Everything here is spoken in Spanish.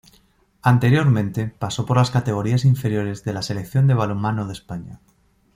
Anteriormente, pasó por las categorías inferiores de la Selección de balonmano de España.